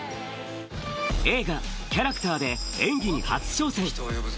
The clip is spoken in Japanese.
映画、キャラクターで演技に初挑戦。